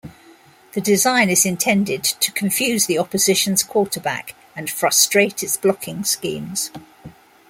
The design is intended to confuse the opposition's quarterback and frustrate its blocking schemes.